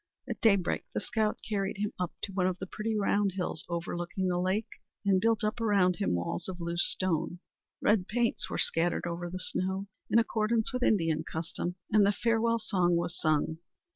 At daybreak the scout carried him up to one of the pretty round hills overlooking the lake, and built up around him walls of loose stone. Red paints were scattered over the snow, in accordance with Indian custom, and the farewell song was sung.